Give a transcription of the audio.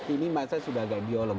ini masa sudah agak dialog